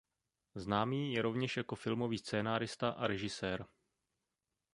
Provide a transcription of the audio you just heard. Známý je rovněž jako filmový scenárista a režisér.